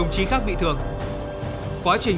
trí khắc bị thường quá trình